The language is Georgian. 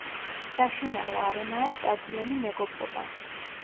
საშინაო არენაა სტადიონი „მეგობრობა“.